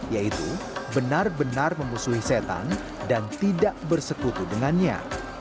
yaitu benar benar memusuhi setan dan tidak bersekutu dengannya